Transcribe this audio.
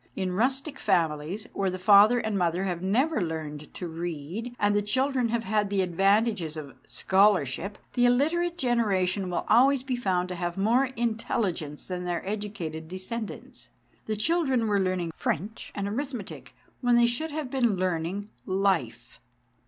In rustic families, where the father and 238 THE DAY BEFORE YESTERDAY mother have never learnt to read and the children have had the advantages of "scholarship," the illiterate generation will always be found to have more intelligence than their educated descendants. The children were learning French and arith metic when they should have been learning life.